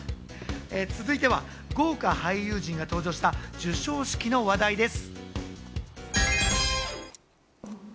続いては豪華俳優陣が登場した授賞式の話題です。